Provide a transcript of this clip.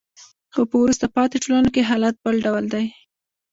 خو په وروسته پاتې ټولنو کې حالت بل ډول دی.